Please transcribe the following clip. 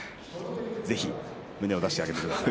ぜひ胸を出してあげてください。